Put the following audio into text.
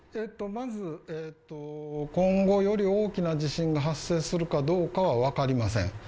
今後より大きな地震が発生するかどうかはわかりません。